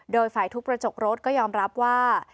โดยฝ่ายทุบกระจกรถก็ยอมรับว่า